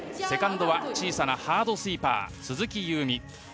セカンドは小さなハードスイーパー鈴木夕湖。